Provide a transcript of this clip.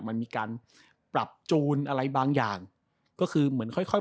มันมีการปรับจูนอะไรบางอย่างก็คือเหมือนค่อยค่อย